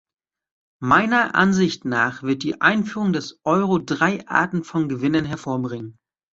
Meiner Ansicht nach wird die Einführung des Euro drei Arten von Gewinnern hervorbringen.